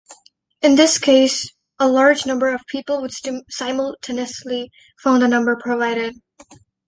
In this case a large number of people would simultaneously phone the number provided.